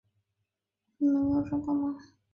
你们没有抓到吗？